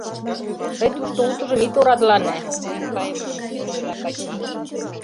— Тый тушто утыжым ит орадылане, — шонен кайымыжым йӱкын ойла Качий.